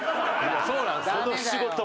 そうなんですよ。